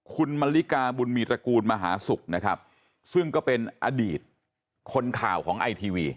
คุณมริกาบุญมีตระกูลมหาศุกร์นะครับซึ่งก็เป็นอดีตคนข่าวของไอทีวี